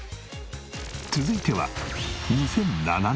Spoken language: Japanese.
続いては。